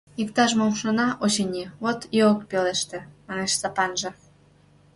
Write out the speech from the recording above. Иктаж-мом шона, очыни, вот и ок пелеште, — манеш Сапанже.